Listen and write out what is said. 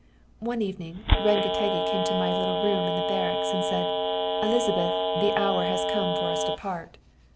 "One evening, Rengetegi came to my little room in the barracks, and said: 'Elizabeth, the hour has come for us to part!'